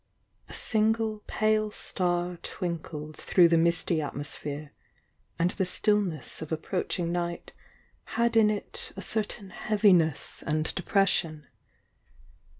A single pale star twinkled through the misty atmosphere, and tixe stillness of approaching night had in it a certain heaviness and depression.